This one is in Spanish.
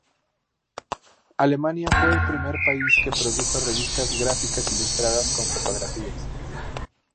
Alemania fue el primer país que produjo revistas gráficas ilustradas con fotografías.